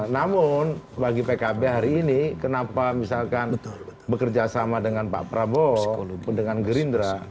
namun bagi pkb hari ini kenapa misalkan bekerja sama dengan pak prabowo dengan gerindra